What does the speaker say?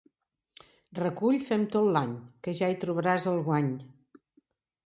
Recull fem tot l'any que ja hi trobaràs el guany.